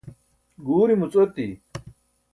guurimuc ooti